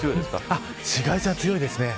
紫外線は強いですね。